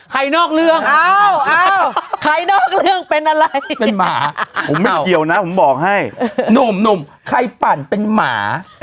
นอกเรื่องใครนอกเรื่องเป็นอะไรเป็นหมาผมไม่เกี่ยวนะผมบอกให้หนุ่มใครปั่นเป็นหมา